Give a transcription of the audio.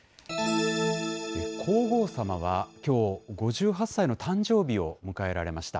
皇后さまはきょう、５８歳の誕生日を迎えられました。